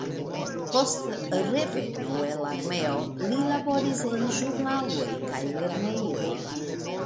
Post reveno el armeo li laboris en ĵurnaloj kaj lernejoj.